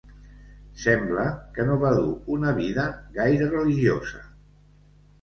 Sembla que no va dur una vida gaire religiosa.